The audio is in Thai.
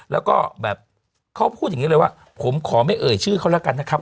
แล้วก็แบบเขาพูดอย่างนี้เลยว่าผมขอไม่เอ่ยชื่อเขาแล้วกันนะครับ